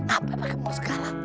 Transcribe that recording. apa yang bakal muncul segala